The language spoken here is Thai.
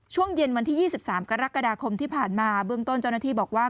ช่วงเย็นวันที่๒๓กรกฎาคมที่ผ่านมาเบื้องต้นเจ้าหน้าที่บอกว่า